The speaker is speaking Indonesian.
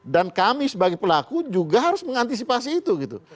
dan kami sebagai pelaku juga harus mengantisipasi itu gitu